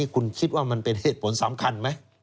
คุณคิดว่ามันเป็นเหตุผลสำคัญไหม